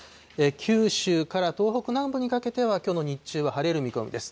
九州から東北南部にかけてはきょうの日中は晴れる見込みです。